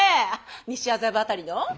西麻布辺りの？